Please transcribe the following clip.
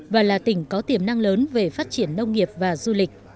và là tỉnh có tiềm năng lớn về phát triển nông nghiệp và du lịch